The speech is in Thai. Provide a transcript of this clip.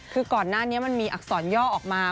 คือก่อนหน้านี้มันมีอักษรย่อออกมา